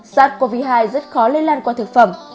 sars cov hai rất khó lây lan qua thực phẩm